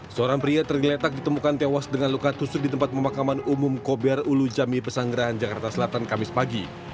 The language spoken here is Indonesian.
seorang pria tergeletak ditemukan tewas dengan luka tusuk di tempat pemakaman umum kober ulu jami pesanggerahan jakarta selatan kamis pagi